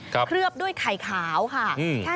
เคลือบด้วยไข่ขาวค่ะ